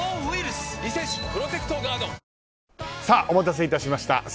お待たせいたしました。